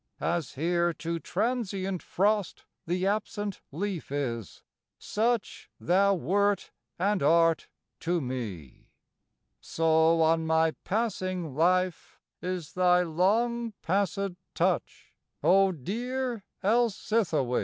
As here to transient frost the absent leaf is, such Thou wert and art to me: So on my passing life is thy long passèd touch, O dear Alcithoë!